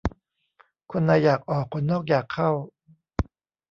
คนในอยากออก คนนอกอยากเข้า